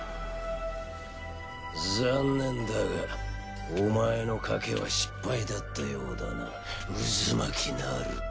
残念だがお前の賭けは失敗だったようだなうずまきナルト。